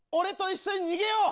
一緒に逃げよう。